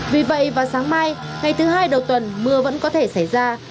vì vậy vào sáng mai ngày thứ hai đầu tuần mưa vẫn có thể xảy ra